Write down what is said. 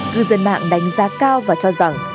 cư dân mạng đánh giá cao và cho rằng